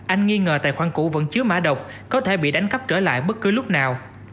anh nghi ngờ tài khoản cũ vẫn chứa mã độc có thể bị đánh cắp trở lại bất cứ lúc nào